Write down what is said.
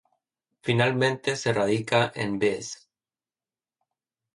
Finalmente se radica en Bs.